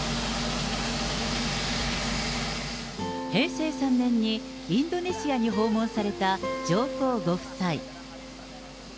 平成３年に、インドネシアに訪問された上皇ご夫妻。